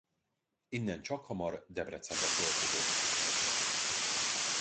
Innen csakhamar Debrecenbe költözött.